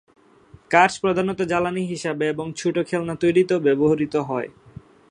কাঠ প্রধানত জ্বালানী হিসাবে এবং ছোট খেলনা তৈরিতেও ব্যবহৃত হত।